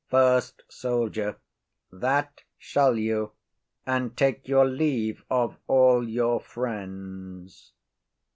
FIRST SOLDIER. That shall you, and take your leave of all your friends.